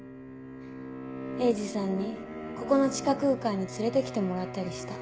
鋭治さんにここの地下空間に連れて来てもらったりした。